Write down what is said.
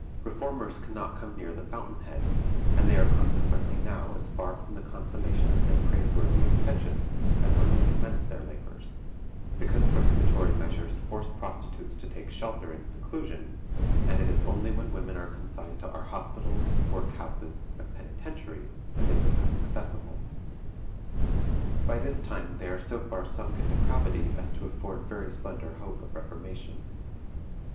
Reformers can not come near the fountain head, and they are consequently now as far from the consummation of their praiseworthy intentions as when they commenced their labors; because prohibitory measures force prostitutes to take shelter in seclusion, and it is only when women are consigned to our hospitals, work houses, and penitentiaries that they become accessible. By this time they are so far sunk in depravity as to afford very slender hope of reformation.